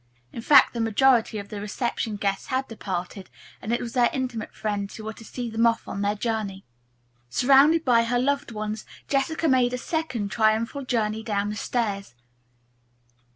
In fact, the majority of the reception guests had departed, and it was their intimate friends who were to see them off on their journey. Surrounded by her loved ones, Jessica made a second triumphal journey down the stairs.